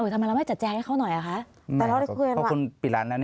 ทำไมเราไม่จัดแจงให้เขาหน่อยคะ